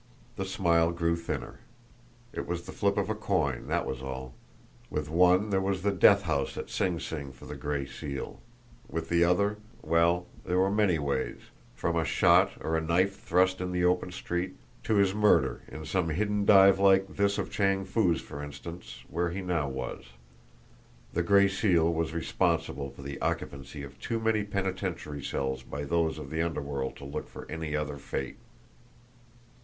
The smile grew thinner. It was the flip of a coin, that was all! With one there was the death house at Sing Sing for the Gray Seal; with the other well, there were many ways, from a shot or a knife thrust in the open street, to his murder in some hidden dive like this of Chang Foo's, for instance, where he now was the Gray Seal was responsible for the occupancy of too many penitentiary cells by those of the underworld to look for any other fate!